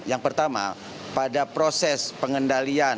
yang pertama pada proses pengendalian